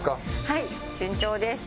はい順調です。